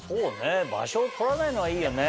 場所を取らないのはいいよね。